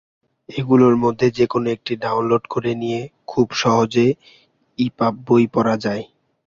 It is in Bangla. এগুলোর মধ্যে যেকোনো একটি ডাউনলোড করে নিয়ে খুব সহজে ইপাব বই পড়া যায়।